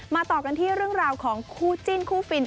ต่อกันที่เรื่องราวของคู่จิ้นคู่ฟิน